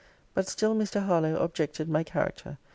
'But still Mr. Harlowe objected my character.